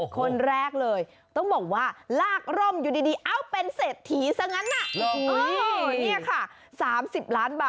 คนแรกเลยต้องบอกว่า